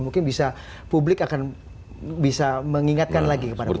mungkin bisa publik akan bisa mengingatkan lagi kepada publik